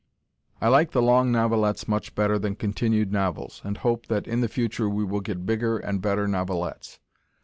I like the long novelettes much better than continued novels, and hope that in the future we will get bigger and better novelettes.